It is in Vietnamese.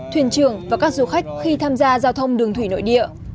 thuyền trưởng và các du khách khi tham gia giao thông đường thủy nội địa